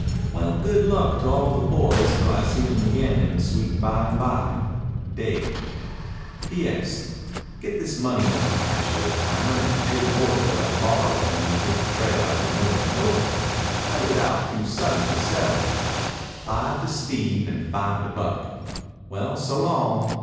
Well good luck to all the boys till I see them again in the sweet by and by. Dave P.S. Get this money order cashed old timer and pay the boys what I borrowed when we hit the trail after Miller and Doble. I lit out to sudden to settle. Five to Steve and five to Buck. Well so long.